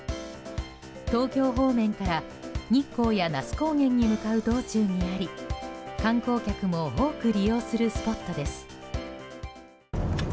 東京方面から日光や那須高原に向かう道中にあり観光客も多く利用するスポットです。